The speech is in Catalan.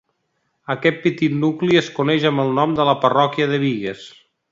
Aquest petit nucli es coneix amb el nom de la Parròquia de Bigues.